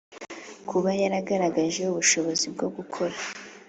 Kuba yaragaragaje ubushobozi bwo gukora